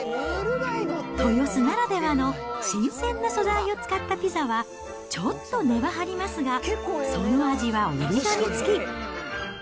豊洲ならではの新鮮な素材を使ったピザは、ちょっと値は張りますが、その味は折り紙付き。